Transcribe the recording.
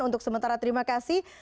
untuk sementara terima kasih